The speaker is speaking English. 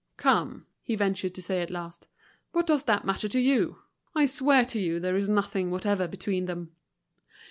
"Come," he ventured to say at last, "what does that matter to you? I swear to you there is nothing whatever between them."